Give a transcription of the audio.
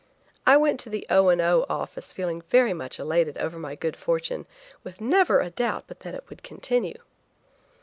I went to the O. and O. office feeling very much elated over my good fortune, with never a doubt but that it would continue.